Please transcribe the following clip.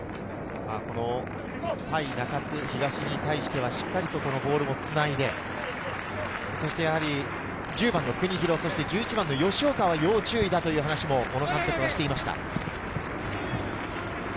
中津東に対してはしっかりとボールをつないで、１０番の国広、１１番の吉岡は要注意だという話も小野監督がしていました。